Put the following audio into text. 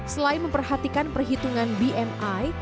selain memperhatikan perhitungan bmi